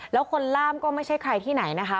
แล้วคนล่ามก็ไม่ใช่ใครที่ไหนนะคะ